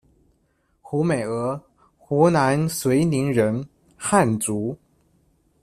胡美娥，湖南绥宁人，汉族。